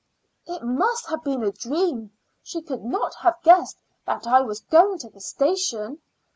"It must have been a dream; she could not have guessed that I was going to the station.